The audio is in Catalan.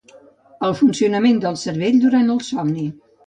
el funcionament del cervell durant el somni